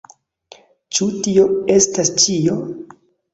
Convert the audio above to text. Ĉu tio estas ĉio?